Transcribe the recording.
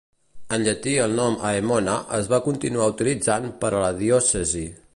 En llatí el nom "Aemona" es va continuar utilitzant per a la diòcesi.